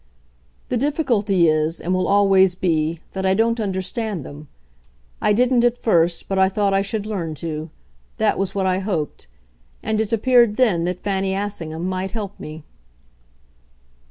"The difficulty is, and will always be, that I don't understand them. I didn't at first, but I thought I should learn to. That was what I hoped, and it appeared then that Fanny Assingham might help me."